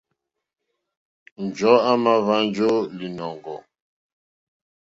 Njɔ̀ɔ́ à mà hwánjá ó lìnɔ̀ŋgɔ̀.